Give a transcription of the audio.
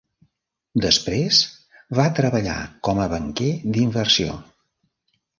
Després va treballar com a banquer d'inversió.